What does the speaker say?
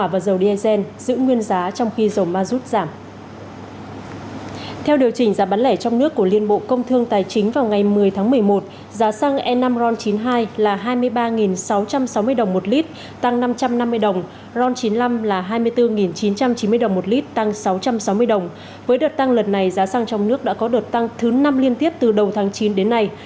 với đợt tăng lần này giá xăng trong nước đã có đợt tăng thứ năm liên tiếp từ đầu tháng chín đến nay